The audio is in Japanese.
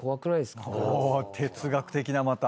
哲学的なまた。